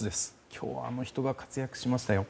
今日はあの人が活躍しましたよ。